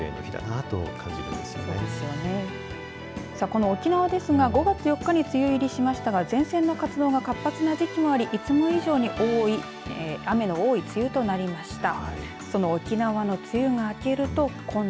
この沖縄ですが５月４日に梅雨入りしましたが前線の活動が活発になりいつも以上に雨の多い梅雨となりました。